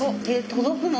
届くの？